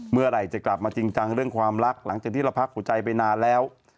เมื่อไหร่จะกลับมาจริงจังเรื่องความรักหลังจากที่เราพักหัวใจไปนานแล้ว